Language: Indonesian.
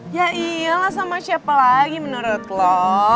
ya iyalah sama siapa lagi menurut lo